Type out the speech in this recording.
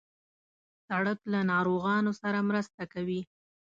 سړک له ناروغانو سره مرسته کوي.